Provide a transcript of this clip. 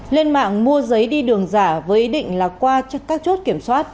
lên mạng mua giấy đi đường giả với ý định là qua các chốt kiểm soát